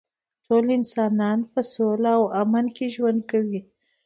ټول انسانان به په سوله او امن کې ژوند کوي